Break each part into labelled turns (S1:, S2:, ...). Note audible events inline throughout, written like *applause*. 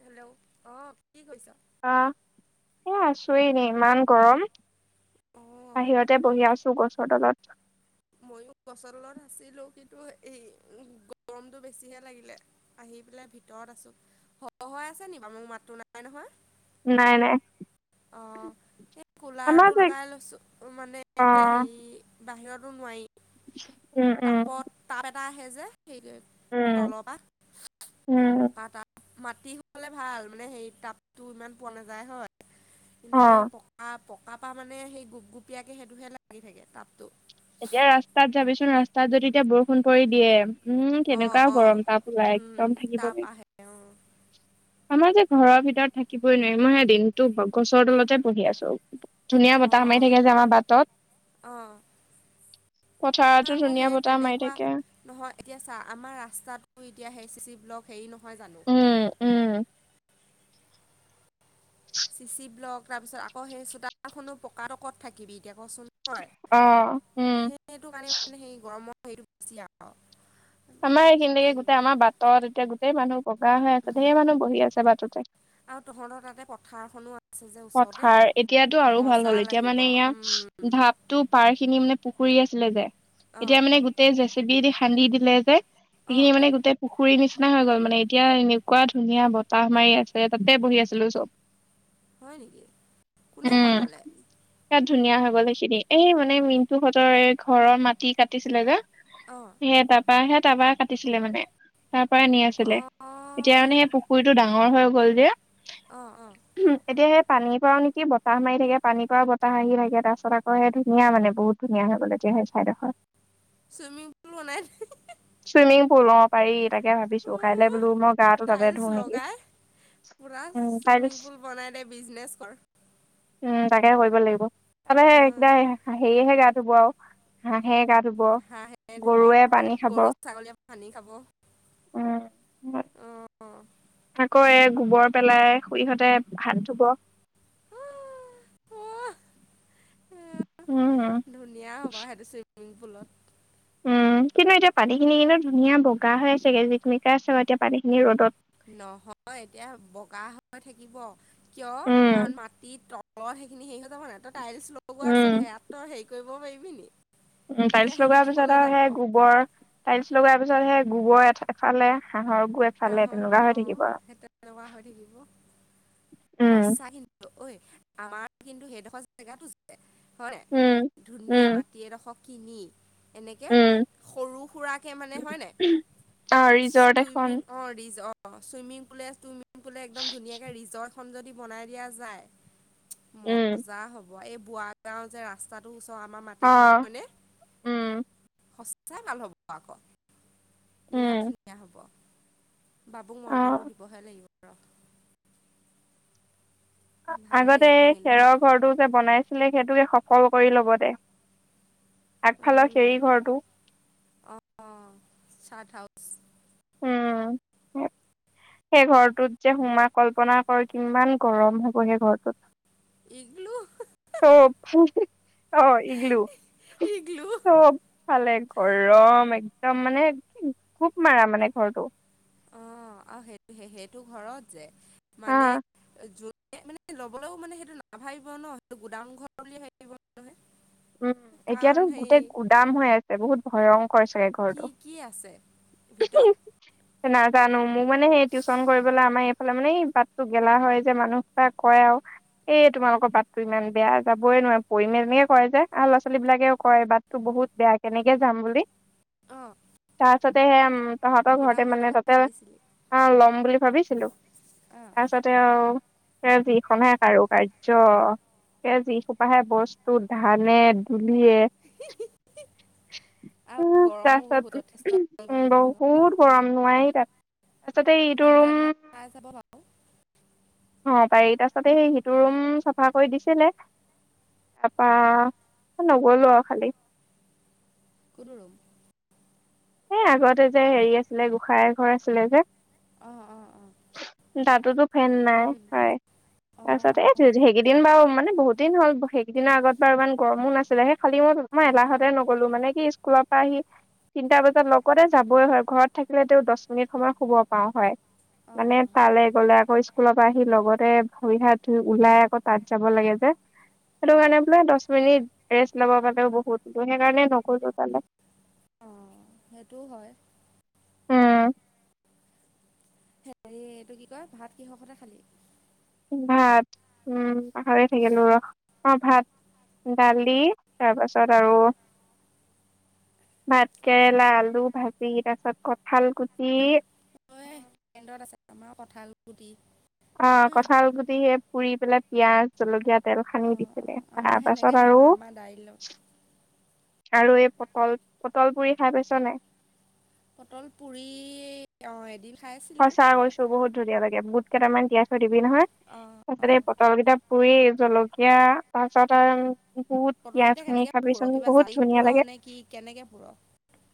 S1: Hello অ কি কৈছ
S2: আহ এ আছোেইনে ইমান গৰম
S1: অঁ
S2: বাহিৰতে বহি আছো গছৰ তলত
S1: ময়ো গছত আছিলো কিন্তু এই গৰমতটো বেছিহে লাগিলে আহ দি প ভিতৰত আছো স হৈ আছে নি বাৰু মোক মাতো নাই নহয়
S2: নাই নাই
S1: অ সেই
S2: আমাৰ
S1: কুলাৰটো
S2: যে
S1: লগাই লৈছো মানে
S2: অ
S1: এনেকে হেৰি বাহিৰত সমাই
S2: *inaudible*
S1: তাপত তাপ এটা আহে যে সেই
S2: উম
S1: তলপাত
S2: উম
S1: পকা ত মাটি হোৱে ভাল মানে সেই টাপতটো ইমান পোৱা নাযায় হয়
S2: অ
S1: কিন্তু সেই পকা পকা পা মানে সেই গোপ গুপীয়াকে সেইটোহে লাগি থাকে টাপটো
S2: এতিয়া ৰাস্তাত যাবিচোন ৰাস্তাত যদি এতিয়া বৰষুণ পৰি দিয়ে উম
S1: অঁ
S2: কেনেকুৱা
S1: অঁ
S2: গৰম তাপ ওলাই
S1: উম
S2: একদম থাকিব
S1: তাৰপা আহে অঁ
S2: লাগিব আমাৰ যে ঘৰৰ ভিতৰত থাকিবই নোৱাৰি মইে দিনতো গছৰ তলতে বহি আছো ধুনীয়া বত এ সমাৰি থাকে যে আমাৰ বাটত
S1: অ
S2: *inaudible*
S1: আমাৰ আকৌ
S2: ধুনীয়া
S1: সেই
S2: বতাহ মাৰি
S1: তেনেকুৱা
S2: থাকে
S1: নহয় এতিয়া চা আমাৰ ৰাস্তাটো এতিয়া হেই চি চি ব্লক হেৰি নহয় জানো
S2: উম উম
S1: চি চি ব্লক তাৰপিছত আকৌ সেই চোতাৰখনো পকা তকত থাকিবি এতিয়া কচোন হয়
S2: অ উম
S1: সেইটো কাৰণে মে সেই গৰমৰ হেইটো বেছি আৰু
S2: আমাৰ
S1: ক'তো
S2: এইখিনে গোটেই
S1: থাকিবনো
S2: আমাৰ বাটত এতিয়া গোটেই মানুহ বগা হৈ আছে ধঢেৰ মানুহ বহি আছে বাটতে
S1: আৰু তহঁতৰ তাতে পথাৰখনো আছে যে ওচৰতে
S2: পথাৰ এতিয়াতো আৰু ভাল
S1: মজা
S2: হ'ল এতিয়া
S1: লাগিব
S2: মানে এয়া
S1: উম
S2: ঢাপটো পাৰ খিনি মানে পুখুৰী আছিলে যে
S1: অঁ
S2: এতিয়া মানে গোটেই জেচপি খান্দি দিলে যে
S1: অঁ
S2: সেইখিনি মানে গোটেই পুখুৰ খুুৰীৰ নিচিনা হৈ গল মানে এতিয়া এনেকুৱা ধুনীয়া বতাহ মাৰি আছে তাতে বহি আছিলো চব
S1: হয় নেকি কোনে শনালে
S2: বিৰাট ধুনীয়া হৈ গ'ল সেইখিনি এই মানে মিনুহঁতৰ ঘৰৰ মাটি কাটিছিলে যো
S1: অঁ
S2: সে তাৰাপা সে তাৰপা কাটিছিলে মানে তাৰ পৰা নি আছিলে
S1: অ',
S2: এতিয়া কাৰণে সেই পুখুৰীতটো ডাঙৰ হৈ গ'ল যে
S1: অহ অহ
S2: এতিয়া সেই পানীৰ পৰাও নেকি বতাহ মাৰি থাকে পানীৰ পৰাও বতাহ আহি থাকে তাৰপিছত আকৌ সেই ধুনীয়া মানে বহুত ধুনীয়া হৈ গ'ল এতিয়া। সেই ঠাইডোখৰ
S1: চুইমিং পুল বনাই
S2: ফুল পাৰি, তাকে ভাবিছো কাইলৈ
S1: অ',
S2: বোলো মই গাটো তাতে
S1: টাইলছ
S2: ধো নেকি?
S1: লগাই পুৰা
S2: উম টাইলছ
S1: চুইমিং পুল বনাই দে বিজনেছ কৰ।
S2: উম তাকে কৰিব লাগিব। তাৰপৰা সে
S1: অ',
S2: কিবা হেৰিয়েহে গা ধুব আও হাঁহে গা- ধুব
S1: হাঁহ হে ধুব,
S2: গৰুৱে পানী খাব
S1: গৰু ছাগলীয়ে পানী খাব।
S2: উম
S1: অহ।
S2: আকৌ এ গোবৰ পেলাই, খোৰিহঁতে হাত ধুব। উম
S1: ধুনীয়া হ'বা সেইটো চুইমিং পুলত।
S2: উম। কিন্তু এতিয়া পানীখিনি কিন্তু ধুনীয়া বগা হৈ আছেগে যিক মিকাই আছে এতিয়া পানীখিনি ৰ'দত।
S1: নহয় এতিয়া বগা হৈ থাকিব। কিয়,
S2: উম
S1: কাৰণ মাটিৰ তলত সেইখিনি হেৰি হৈ যাব নাই, ত টাইলছ লগোৱাৰ
S2: উম
S1: পিছত সেয়াত ত হেৰি কৰিব পাৰিবি নি।
S2: উ টাইলছ
S1: তেতিয়া
S2: লগোৱাৰ
S1: সেইখিনি
S2: পিছত
S1: কলৈ
S2: আৰু
S1: যাব
S2: সেই গোবৰ টাইলছ লগাৰ পিছত সেই গোবৰ এ এফালে হাঁহৰ গু
S1: হা
S2: এফালে
S1: হা
S2: তেনেকুৱা
S1: অ
S2: হৈ থাকিব আৰু
S1: সেইটো এনেকুৱা হৈ থাকিব।
S2: উম
S1: সঁচাই কিন্তু ঐ আমাৰ কিন্তু সেইডোখৰ জেগাটো হয় নাই,
S2: উম
S1: ধুনীয়া
S2: উম
S1: মাটি এডোখৰ কিনি এনেকে
S2: উম
S1: সৰু সুৰাকে মানে হয় নাই
S2: অ ৰিজৰ্ট এখন
S1: চুইমিং অ চুইমিং পুলে চুইমিং পুলে একদম ধুনীয়াকে ৰিজৰ্ট খন যদি বনাই দিয়া যায়,
S2: উম
S1: মজা হ'ব। এই বোৱা গাও যে ৰাস্তাটো আমাৰ
S2: অ
S1: মাটিখিনি মানে
S2: উম
S1: সচাই ভাল হব আক। বিৰাট
S2: উম
S1: ধুনীয়া হ'ব। বাবুক
S2: অ
S1: মন্ত্ৰটো দিবহে লাগিব ৰ। ভাল
S2: আগতে
S1: লাগিব কিন্তু ন
S2: খেৰৰ ঘৰটো যে বনাইছিলে, সেইটোকে সফল কৰি ল'ব দে।
S1: অ
S2: আগফালৰ খেৰী ঘৰটো।
S1: চাৰ্ট হাউচ
S2: উম সেই ঘৰটোত যে সোমা কল্পনা কৰ কিমান গৰম হ'ব সেই ঘৰটোত
S1: ইগ্লো
S2: চব অ ইগ্লো
S1: ইগলু
S2: চব ভালেক গৰম একদম মানে খুব মাৰা মানে ঘৰটো
S1: অ আহ সেইটো সেইটো ঘৰত যে
S2: হা
S1: মানে যোন মানে ল'বলৈও মানে সেইটো নাভাবিব ন সেইটো গুদাম ঘৰ বুলি ভাবিব নহয়
S2: উম
S1: কাৰণ
S2: এতিয়াতো গোটেই
S1: হেৰি
S2: গুদাম হৈ আছে বহুত ভৰং
S1: কি কি আছে ভিতৰত
S2: নাজানো মোৰ মানে সেই টিউশচন কৰিবলৈ আমাৰ এইফালে মানে বাতটো গেলা হয় যে মানুহক কয় আও এই তোমালোকৰ বাটতো ইমান বেয়া যাবই নোৱাৰে পৰিমে এনেকে কৰে যে আহ লৰা ছোৱালী বিলাকেও কয় বাটটো বহুত বহুত বেয়া কেনেকে যাম বুলি
S1: অ
S2: তাৰছতে সে তহতৰ
S1: গুদাম
S2: ঘৰতে
S1: ঘৰটোৰ
S2: মানে
S1: কথা
S2: তাতে
S1: ভাবিছিলি
S2: অ ল'ম বুলি ভাবিছিলো
S1: অ
S2: তাৰছতে আও ৰে যিখনহে কাৰো কাৰ্য হে যিসোপাহে বস্তু ধানে ধু- ভিয়ে
S1: আৰু গৰমো
S2: তাৰ
S1: বহুত
S2: চত
S1: যথেষ্ট পৰিব
S2: উম
S1: নহয় আকৌ
S2: বহুত গৰম নোৱাৰি তাত। তাৰছতে এইটো
S1: ঠাণ্ডা
S2: ৰুম,
S1: দিনত পাই যাব বাৰু
S2: অ পাৰি তাৰছতে সিটো ৰুম চাফা কৰি দিছিলে। তাৰাপা নগলো আৰু খালি।
S1: কোনো ৰৰুম *unintelligible*
S2: এ আগতে যে হেৰি আছিলে, গোঁসাই ঘৰ আছিলে যে
S1: আহ অ অ।
S2: তাতোতো ফেন নাই হয়।
S1: অঁ
S2: তাৰপিছত এই সেইকেইদিন বাৰু মানে বহুত দিন হ'ল, সেইকেইদিনৰ আগত বাৰ ইমান গৰমো নাছিলে হে খালি মোৰ মই
S1: অঁ অঁ
S2: এলাহতে নগলো মানে কি স্কুলৰ পৰা আহি তিনিটা বাজ ত লগতে যাবই হয় ঘৰত থাকিলে তেওঁ দশ মিনিট সময় শুব পাও হয়। মানে তালে গলে ঘ স্কুলৰ পৰা আহি লগতে ভৰি হাত ধুই ওলাই আকৌ তাত যাব লাগে যে। সেইটো
S1: অঁ অঁ
S2: কাৰণে বোলে দশ মিনিট ৰেষ্ট লব পালেও বহুত, সেইকাৰণে নগলো তালে।
S1: অঁ সেইটোও হয়।
S2: উম।
S1: হেৰি এইটো কি কয় ভাত কিহ হতে খালি?
S2: ভাত উম পাহৰি থাকিলো ৰহ অ ভাত। দালি তাৰপাছত আৰু
S1: অঁ
S2: ভাতকেৰেলা আলু ভাজি তাৰ পিছত কঠাল গুটি। উম।
S1: তেণ্ডত আছে আমাৰ কঁঠাল গুটি।
S2: অ
S1: অঁ
S2: কঁঠাল গুটি সে পুৰি পেলাই পিয়াজ, জলকীয়া তেল হানি
S1: অঁ
S2: দিছিলে,
S1: আমাৰ
S2: তাৰ পাছত
S1: সেনেকৈ
S2: আৰু
S1: নহয় আমাৰ দাইলত
S2: আৰু এই পটল -পটল পুৰি খাই পাইছ নাই?
S1: পটল পুৰি অ এদিন খাইছিলোঁ
S2: সঁচা গৈছো বহুত ধুনীয়া লাগে বুট কেইটামান তিয়াই থৈ দিবি নহয়,
S1: অঁ
S2: তাৰপিছত
S1: অঁ
S2: এই পটল কেইটা পুৰি জলকীয়া তাৰ পিছত আৰু বহুত পিয়াজ
S1: পটলকিটা
S2: সানি
S1: কেনেকে পুৰ
S2: খাবিচোন
S1: কিবা
S2: বহুত
S1: জাৰত
S2: ধুনীয়া
S1: পুৰ,
S2: লাগে
S1: নে কি কেনেকে পুৰ?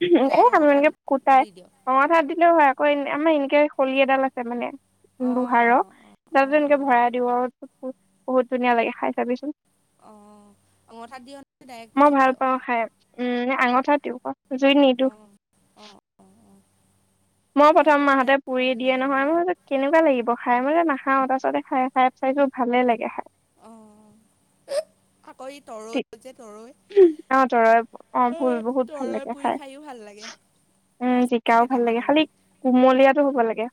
S2: এ
S1: ডাইৰেক্ট
S2: আমি
S1: অঙঠাত
S2: এনেকে কুটাই
S1: দি দিয়
S2: অঙঠাত দিলেও হয়। অ আমাৰ এনেকে খলি এডাল আছে মানে
S1: অঁ
S2: লুহাৰৰ, তাত
S1: অঁ অঁ
S2: এনেকে
S1: অঁ
S2: ভৰাই দিওঁ আৰু বহুত ধুনীয়া লাগে খাই চাবিচোন।
S1: অ অঙঠাত দিয় ন ডাইৰেক্ট
S2: মই
S1: জুইত
S2: ভাল
S1: দিয়?
S2: পাওঁ খাই উম অঙঠাত দিয়ো ক জুইত নিদিও।
S1: অঁ অঁ অঁ অঁ
S2: মই
S1: খাই
S2: প্ৰথম
S1: পোৱা নাই
S2: মাহতে
S1: বাৰু
S2: পুৰি দিয়ে
S1: এনেকৈ ইমান
S2: নহয়, মই ভাবিছো কেনেকুৱা লাগিব খায়? খাই মানে নাখাওঁ তাৰপিছতে খা খাই চাই ভালে লাগে খাই।
S1: অ। অ তৰৈ যে তৰৈ,
S2: অ তৰৈ
S1: অ
S2: ফুল বহুত ভাল
S1: তৰৈ
S2: লাগে
S1: পুৰি
S2: খাই
S1: খাইও ভাল লাগে।
S2: উম
S1: আছে
S2: জিকাও ভাল
S1: কেইটামান
S2: লাগে খালি
S1: আমি
S2: কুমলীয়াটো হ'ব লাগে।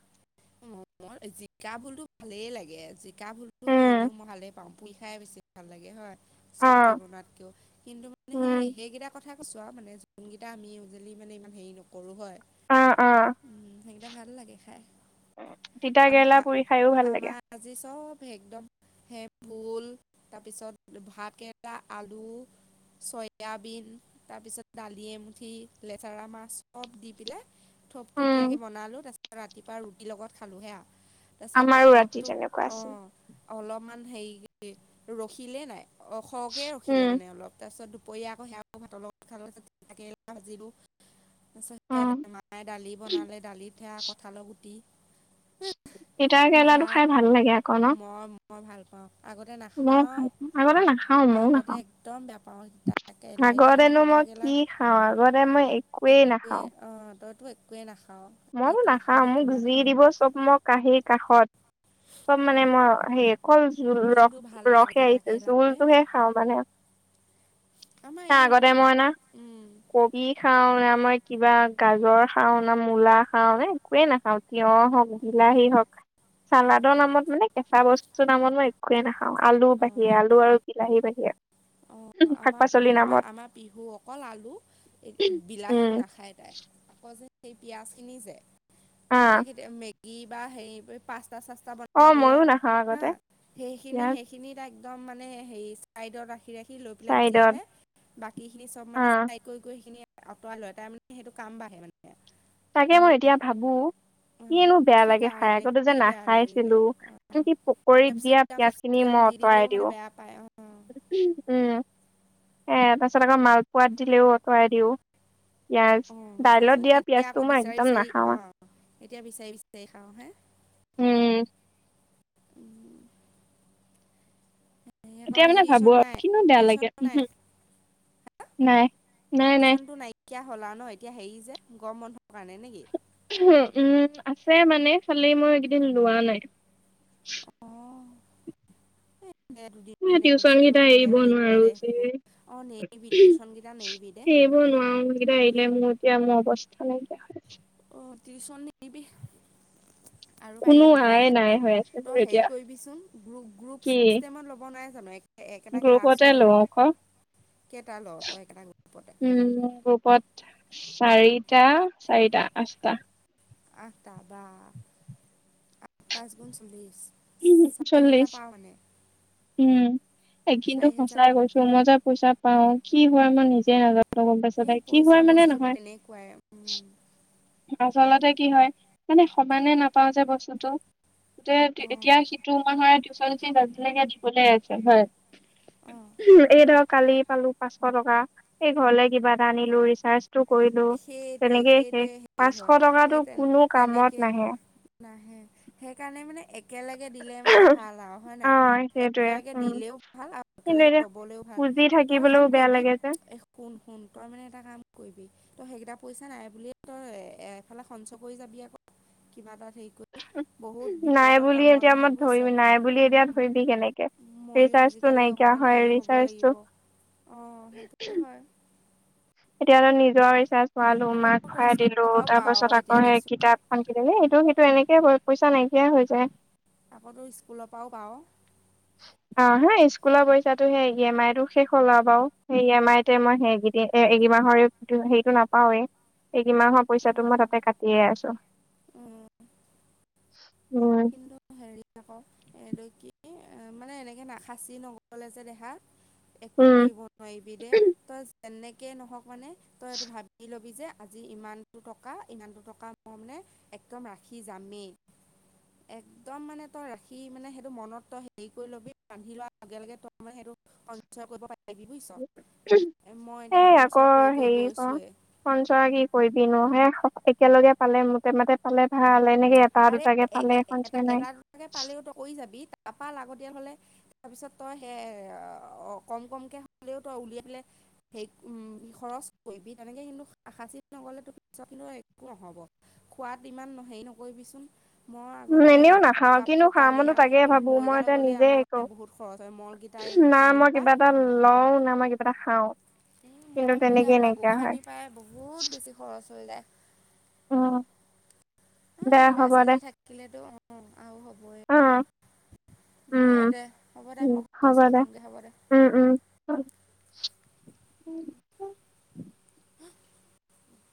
S1: মোৰ জিকা, ভুলটো ভালেই লাগে, জিকা, ভুলটো
S2: উম
S1: এনেও মই ভালেই পাওঁ পুৰি খাই বেছি ভাল লাগে হয়।
S2: অ
S1: চবজি বনাতকেও কিন্তু মানে সেই
S2: উম
S1: সেইকেইটা কথা। চোৱা মানে যোনকেইটা আমি উজলি মানে ইমান হেৰি নকৰো হয়।
S2: অ অ
S1: উম, সেইকিটা ভাল লাগে খাই।
S2: তিতা
S1: আমাৰ
S2: কেৰেলা
S1: আ
S2: পুৰি খাইও ভাল লাগে
S1: আমাৰ আজি চব একদম ভুল তাৰপিছত ভাতকেৰেলা, আলু চয়াবিন তাৰপিছত দালি এমুঠি, লেতেৰা মাছ চব দি পিলে
S2: উম
S1: থপথপীয়াকৈ বনালোঁ তাৰপাছত ৰাতিপুৱা ৰুটি লগত খালোঁহে আ।
S2: আমাৰো ৰাতি তেনেকুৱা আছিল।
S1: অলপমান হেৰি ৰখিলে নাই অ খহকে ৰখিলে
S2: উম
S1: মানে অলপ তাৰপিছত। পৰি আকৌ সেইয়াকৌ ভাত লগ তাক ভাজিলো।
S2: অ
S1: তাৰপিছতে মায়ে দালি বনালে, দালিত সেয়া কঁঠালৰ গুটি
S2: তিতা কেৰেলাটো
S1: ভাত
S2: খাই ভাল লাগে আকৌ ন।
S1: মই মই ভাল পাওঁ। আগতে
S2: মইও
S1: নাখাওঁ,
S2: খাই আগতে নাখাও মইও
S1: আগতে
S2: নাখাওঁ
S1: একদম বেয়া পাওঁ তিতা কেৰেলা এতিয়া কিন্তু
S2: আগতেনো
S1: তিতা
S2: মই কি খাওঁ, আগতে মই একোৱেই নাখাওঁ।
S1: তো একোৱেই নাখা।
S2: মইও নাখাওঁ মোক যি দিব চব। মই কাহী কাষত চব মানে মই হে। অকল জোল ৰস
S1: কিন্তু ভাল লাগে
S2: ৰসে আহিছে
S1: তিতাকেৰেলা যে
S2: জোলটোহে খাওঁ মানে।
S1: আমাৰ
S2: ন
S1: এইও
S2: আগতে মই না
S1: উম,
S2: কবি খাও মই কিবা গাজৰ খাওঁ না মূলা খাও নে একোৱে নাখাও তিয়হ হওঁক বিলাহী হওক চালাদৰ
S1: অঁ
S2: নামত মানে কেঁচা বস্তুৰ নামত মই একোৱয়ে নাখাওঁ আলু
S1: অঁ
S2: বাহিৰে আলু আৰু বিলাহী বাহিৰে
S1: অঁ
S2: শাক
S1: আমাৰ
S2: পাচলিৰ
S1: আমাৰ
S2: নামত
S1: আমাৰ বিহু অকল আলু
S2: উম
S1: বিলাহীও নাখায় তাই। আকৌ যে সেই পিয়াজ খিনি যে মই
S2: আহ
S1: এতিয়া কেতি মেগী বা সেই পাচ- চাস্তা চাস্তা
S2: অ
S1: বনাই দিলে
S2: ময়ো নাখাওঁ
S1: হা,
S2: আগতে
S1: সেইখিনি
S2: ইয়াত
S1: -সেইখিনি তাক একদম মানে হেৰি ছাইডত ৰাখি ৰাখি লৈ পেলাই গুচি
S2: চাইডত
S1: আহে, বাকীখিনি চব মানে
S2: আহ
S1: চাই কৈ কৈ সেইখিনি আঁতৰা লয় তাৰ মানে সেইটো কাম বাঢ়ে মানে।
S2: তাকে মই
S1: মোক
S2: এতিয়া ভাবো কিয়েনো বেয়া
S1: কি
S2: লাগে খাই
S1: কাৰণে
S2: আকতো যে
S1: কি বেয়া
S2: নাখাইছিলো
S1: লাগিলে
S2: আনি পকৰীত দিয়া পিয়াজ খিনি মই অঁতৰাই
S1: দিদিলেও মানে
S2: দিওঁ
S1: বেয়া পায় অ
S2: *unintelligible* এ তাৰপিছত আকৌ মালপোৱাত দিলেও আঁতৰাই দিওঁ। পিয়াজ
S1: অঁ
S2: দাইলত
S1: চাচোন
S2: দিয়া
S1: এতিয়া আকৌ
S2: পিয়াজটো মই
S1: বিচাৰি
S2: একদম
S1: বিচাৰি
S2: নাখাওঁ আ
S1: অঁ এতিয়া বিচাৰি বিচাৰি খাও হে।
S2: উম
S1: হেৰি আকৌ
S2: এতিয়া
S1: আজি
S2: মানে ভাবো
S1: টিউশ্যন নাই
S2: আৰু কিনো বেয়া
S1: টিউশ্যন
S2: লাগে উ হম
S1: নাই
S2: নাই নাই নাই
S1: এতিয়া হ'ল আও ন এতিয়া হেৰি যে গম বন্ধৰ কাৰণে নেকি।
S2: উ উম আছে মানে খালি মই এইকেইদিন লোৱা নাই।
S1: দুদিন মান
S2: টিউচন
S1: ৰেষ্টটো
S2: কেইটা
S1: লাগে
S2: এৰিব
S1: অ নিজৰ
S2: নোৱাৰো যে
S1: দেহটোকো অ নেৰিবি টিউচন কেইটা নেৰিবি দে
S2: এইবোৰ নোৱাৰো এইকেইটা এৰিলে মোৰ এতিয়া মোৰ অৱস্থা নাইকিয়া হৈ আছে।
S1: অ টিউচন নেইবি আৰু
S2: কোনো
S1: পাৰিলে গোটাই
S2: আয়
S1: হে
S2: নাই
S1: ল
S2: হৈ আছে
S1: ত
S2: মোৰ
S1: হেৰি
S2: এতিয়া
S1: কৰিবি চোন গ্ৰুপ
S2: কি
S1: চিষ্টেমত ল'ব নাই
S2: গ্ৰুপতে লওঁ ক
S1: কেইটা ল তই একেটা গ্ৰুপতে
S2: উম গ্ৰুপত চাৰিটা চাৰিটা আঠটা
S1: আঠটা বা আঠ পাঁচ গুণ চল্লিশ
S2: উম চল্লিছ উম এই কিন্তু
S1: চাৰি হেজাৰ
S2: সঁচাই কৈছো মই যে পইচা পাও কি হয় মই নিজে নাযা- গম পাইছ
S1: এই
S2: তাই কি
S1: পইচা
S2: হয় মানে
S1: বস্তুটো
S2: নহয়।
S1: তেনেকুৱাই
S2: আচলতে কি হয় মানে সমানে নাপাও যে বস্তুটো
S1: অঁ। সেইটোৱে
S2: এতিয়া সিটো সিটোৰ মাহৰ টিউচন ফিজ আজিলৈকে দিবলৈকে আছে হয়। এইটাব কালি পালো পাচশ টকা এই ঘৰলে কিবা এটা আনিলো ৰিচাৰ্জটো কৰিলো তেনেকেই শেষ
S1: সেইটোৱে হেৰি
S2: পাঁচশ
S1: হয় সেই
S2: টকাটো
S1: তেন
S2: কোনো
S1: তেনেকে
S2: কামত নাহে।
S1: হয় নাহে সেইকাৰণে মানে একেলগে দিলে মানে ভাল আও হয়
S2: অ
S1: নাই।
S2: সেইটোয়ে
S1: একেলগে
S2: উম
S1: দিলেও ভাল আৰু
S2: কিন্তু
S1: একেলগে
S2: এতিয়া
S1: লবলৈও ভাল
S2: খুজি
S1: তই কাম
S2: থাকিবলৈও বেয়া
S1: কৰিবি
S2: লাগে যে
S1: এ শুন শুন মানে এটা কাম কৰিবি তই সেইকেইটা পইচা নাই বুলি তই এ এফালে সঞ্চয় কৰি যাবি আকৌ কিবা এটাত সেই
S2: নাই বুলি এতিয়া
S1: আহে
S2: মই
S1: বুজিছ
S2: ধৰিবি নাই বুলি এতিয়া
S1: উম,
S2: ধৰিবি কেনেকে
S1: ময়ো
S2: ৰিচাৰ্জটো নাইকিয়া হয় ৰিচাৰ্জটো
S1: অ সেইটো হয়।
S2: এতিয়াতো নিজৰ ৰিচাৰ্জ ভৰালো
S1: আকৌ
S2: মাক
S1: তই
S2: ভৱাই দিলো
S1: স্কুলৰ পৰাও
S2: তাৰ
S1: পাৱ
S2: পাছত
S1: এতিয়া
S2: আকৌ সেই
S1: দেচোন
S2: কিতাপ খন কিনিলে এই ইটো সিটো টো এনেকে পইচা নাইকিয়াই হৈ যায়।
S1: আকৌতো স্কুলৰ পৰাও পাওঁ।
S2: হয় অ হা স্কুলৰ পইচাটো সেই ই এম আই টো শেষ হ'ল আৰু বাৰু সেই ই এম আই মই সেইক অ এইকেইদিন মাহৰ হেৰিটো নাপাওৱেই সেই কিমাহৰ পইচাটো মই তাতে কাটিয়ে আছো উম
S1: কিন্তু হেৰি আকৌ এইটো কি মানে এনেকে নাখাচি নগলে যে দেখা একো
S2: উম
S1: কৰিব নোৱাৰিবি দে তই যেনেকে নহক মানে তই এইটো ভাবি লবি যে আজি ইমানটো টকা ইমানটো টকা মই মানে একদম ৰাখি যামেই এক একদম মানে তই ৰাখি মানে সেইটো মনত তই হেৰি কৰি ল'বি ৰান্ধি লোৱাৰ লগে লগে তই মানে সেইটো সঞ্চয় কৰিব বুজিছ মই
S2: এ
S1: এতিয়া সঞ্চয়
S2: আকৌ
S1: কৰি কৰি
S2: হেৰি ক
S1: গৈছোৱে
S2: খঞ্চৰা কি কৰিবি নো হে একেলগে পালে মোতে মতে পালে ভাল এনেকে এটা
S1: আৰে
S2: দুটাকে
S1: এ
S2: পালে
S1: এটা
S2: সঞ্চয় নাই
S1: এটা দুটাকে পালেও ত কৰি যাবি তাৰপা আগতিয়াল হলে তাৰপিছত তই সেই কম কমকে হলেও তই উলিয়াই পলে সেই উ খৰচ কৰিব তেনেকে কিন্তু সাচি নগ'লেতো পিছত কিন্তু একো নহ'ব খোৱাত ইমান হেৰি নহ কৈবিচোন মই
S2: উম
S1: আগতে
S2: এনেও
S1: সেই
S2: নাখাওঁ কিনো
S1: কাপোৰ
S2: খাওঁ
S1: কানি
S2: মইতো
S1: আৰু
S2: তাকে
S1: এই
S2: ভাবো মই
S1: মৰিগাৱ
S2: এতিয়া
S1: গ'লে
S2: নিজে
S1: আমাৰ মানে
S2: কৰো
S1: বহুত খৰচ হয় মৰগেইটা
S2: না মই কিবা এটা লও না মই কিবা এটা খাও
S1: উম মই কৰিলো আমাৰ গোসানিৰ পৰায় বহুত বেছি খৰচ হৈ যায়
S2: উম দে
S1: এ ল'ৰা
S2: হ'ব দে
S1: ছোৱালী থাকিলেতো অ আৰু হ'বই
S2: অ
S1: দে
S2: উম
S1: দে হ'ব দে
S2: উম
S1: মই
S2: হ'ব
S1: ঘৰচৰ
S2: দে
S1: সাওগে হ'ব দে
S2: া *unintelligible*